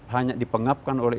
hanya dipengapkan oleh